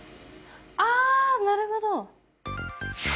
ああなるほど！